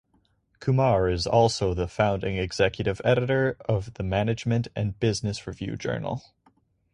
Kumar is also the Founding Executive Editor of the Management and Business Review journal.